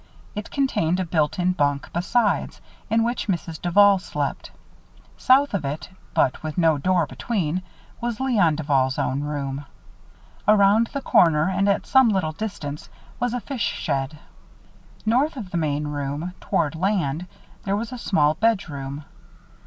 It contained a built in bunk, besides, in which Mrs. Duval slept. South of it, but with no door between, was Léon Duval's own room. Around the corner, and at some little distance, was a fish shed. North of the main room, toward land, there was a small bedroom.